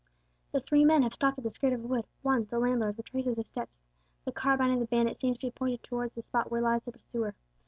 The three men have stopped at the skirt of a wood; one, the landlord, retraces his steps; the carbine of the bandit seems to be pointed towards the spot where lies the pursuer.